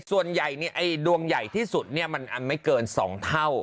ดวงใหญ่อย่างที่สุดมันไม่เกินสองเท่า